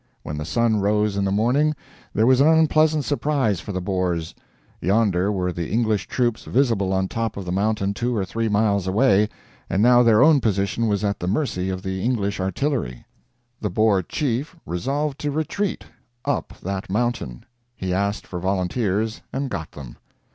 When the sun rose in the morning, there was an unpleasant surprise for the Boers; yonder were the English troops visible on top of the mountain two or three miles away, and now their own position was at the mercy of the English artillery. The Boer chief resolved to retreat up that mountain. He asked for volunteers, and got them.